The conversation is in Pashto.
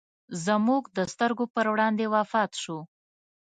زموږ د سترګو پر وړاندې وفات شو.